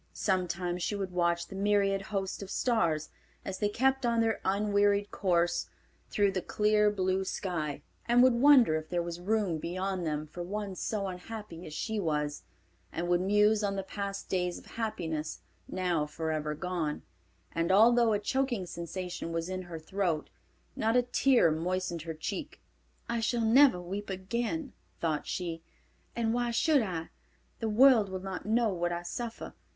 Sometimes she would watch the myriad host of stars, as they kept on their unwearied course through the clear, blue sky, and would wonder if there was room beyond them for one so unhappy as she was, and would muse on the past days of happiness now forever gone, and although a choking sensation was in her throat, not a tear moistened her cheek. "I shall never weep again," thought she, "and why should I? The world will not know what I suffer.